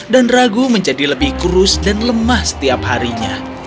dan ragu menjadi lebih kurus dan lemah setiap harinya